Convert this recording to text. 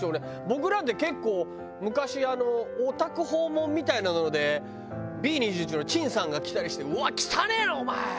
僕なんて結構昔あのお宅訪問みたいなのでＢ２１のちんさんが来たりして「うわ汚えなお前！」